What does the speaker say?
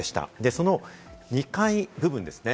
その２階部分ですね。